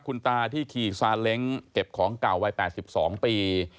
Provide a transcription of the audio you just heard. คุณตาที่ขี่ซาเล้งเก็บของเก่าวัย๘๒ปี